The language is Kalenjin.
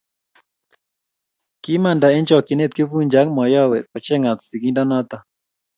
Kimanda eng chokchinet Kifuja ak mayowe kochengat sigindonoto